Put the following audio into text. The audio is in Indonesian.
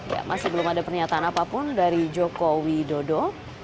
ya masih belum ada pernyataan apapun dari joko widodo